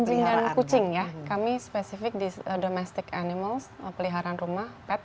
anjing dan kucing ya kami spesifik di domestic animals peliharaan rumah pet